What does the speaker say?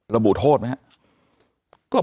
ระบุโทษไหมครับ